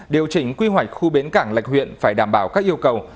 điều chỉnh quy hoạch khu bến cảng lạch huyện phải đảm bảo các yêu cầu